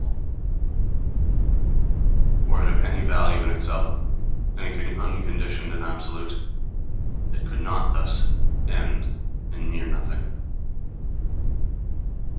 Were it of any value in itself, anything unconditioned and absolute, it could not thus end in mere nothing.